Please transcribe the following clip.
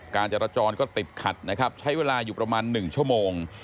การจราจรก็ติดขัดนะครับใช้เวลาอยู่ประมาณ๑ชั่วโมง